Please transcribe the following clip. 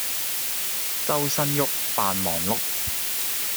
周身郁，扮忙碌